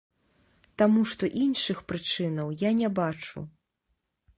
Таму што іншых прычынаў я не бачу.